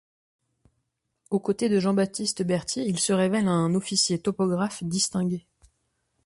Au côté de Jean-Baptiste Berthier, il se révèle un officier topographe distingué.